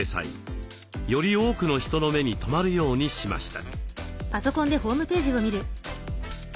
より多くの人の目に留まるようにしました。